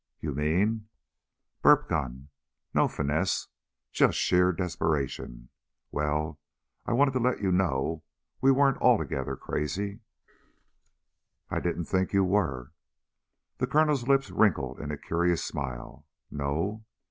"You mean...?" "Burp gun. No finesse. Just sheer desperation. Well, I just wanted to let you know we weren't altogether crazy." "I didn't think you were." The Colonel's lips wrinkled in a curious smile. "No?"